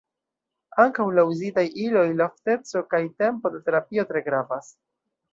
Ankaŭ la uzitaj iloj, la ofteco kaj tempo de terapio tre gravas.